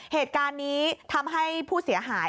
เหตุการณ์นี้ทำให้ผู้เสียหาย